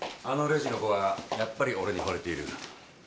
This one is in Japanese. あのレジの子はやっぱり俺にほれている。